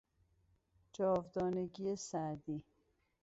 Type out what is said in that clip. جاودانگی سعدی